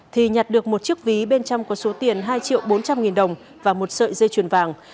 thì nhặt được một chiếc ví bên trong có số tiền hai triệu bốn trăm linh nghìn đồng và một sợi dây chuyền vàng